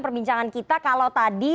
perbincangan kita kalau tadi